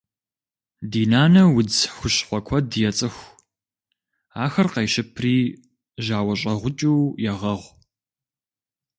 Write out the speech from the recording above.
Ди нанэ удз хущхъуэ куэд ецӀыху. Ахэр къещыпри жьауэщӀэгъукӀыу егъэгъу.